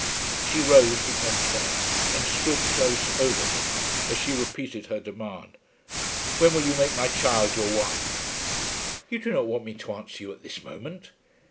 She rose from her chair and stood close over him as she repeated her demand, "When will you make my child your wife?" "You do not want me to answer you at this moment?"